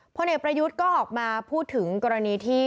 พลเอกประยุทธ์ก็ออกมาพูดถึงกรณีที่